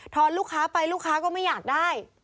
อนลูกค้าไปลูกค้าก็ไม่อยากได้